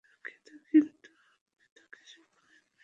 দুঃখিত, কিন্তু আপনি তো কিছু বলেননি।